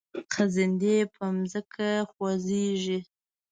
خزندې په ځمکه خوځیږي